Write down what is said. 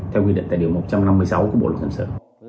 theo quy định tài điều một trăm năm mươi sáu của bộ luật thần sự